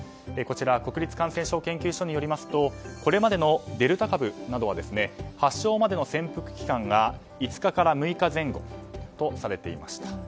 こちら国立感染症研究所によりますとこれまでのデルタ株などは発症までの潜伏期間が５日から６日前後とされていました。